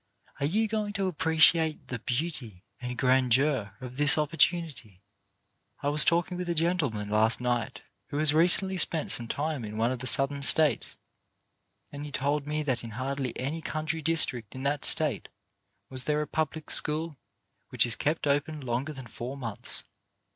Are you going to appreciate the beauty and grandeur of this opportunity ? I was talking with a gentleman last night who has recently spent some time in one of the Southern states, and he told me that in hardly any WHAT YOU OUGHT TO DO 197 country district in that state was there a public school which is kept open longer than four months.